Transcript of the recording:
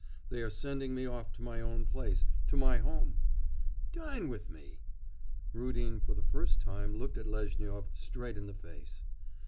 They are sending me off to my own place, to my home.' 'Dine with me.' Rudin for the first time looked Lezhnyov straight in the face.